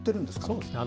そうですね。